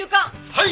はい！